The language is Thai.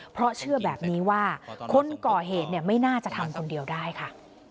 เพราะเชื่อแบบนี้ว่าคนก่อเหตุไม่น่าจะทำคนเดียวได้ค่ะ